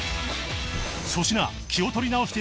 粗品気を取り直して